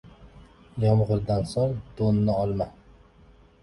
• Yomg‘irdan so‘ng to‘nni olma.